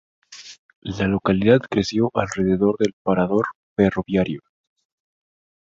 La localidad creció alrededor del parador ferroviario.